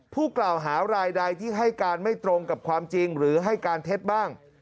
ผู้กล่าวหารายใดที่ให้การไม่ตรงกับความจริงหรือให้การเท็จบ้าง